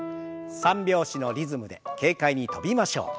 三拍子のリズムで軽快に跳びましょう。